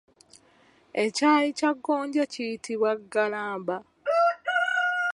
Ekyayi kya gonja kiyitibwa Ggalamba.